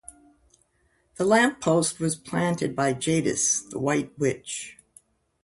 The lamp post was planted by Jadis, the White Witch.